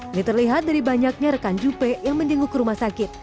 ini terlihat dari banyaknya rekan jupe yang menjenguk ke rumah sakit